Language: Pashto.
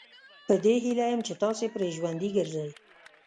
په دې هیله یم چې تاسي پرې ژوندي ګرځئ.